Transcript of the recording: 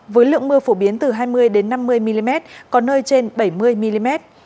với lượng mưa phổ biến từ hai mươi năm mươi mm có nơi trên bảy mươi mm